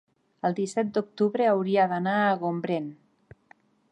el disset d'octubre hauria d'anar a Gombrèn.